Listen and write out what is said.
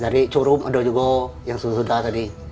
dari curum itu juga yang sudah sudah tadi